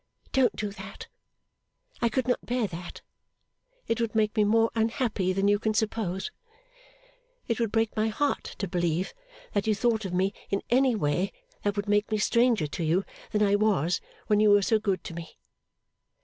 Don't do that, I could not bear that it would make me more unhappy than you can suppose. It would break my heart to believe that you thought of me in any way that would make me stranger to you than I was when you were so good to me.